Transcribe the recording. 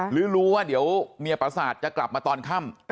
หรือรู้ว่าเดี๋ยวเมียปราศาสตร์จะกลับมาตอนค่ำ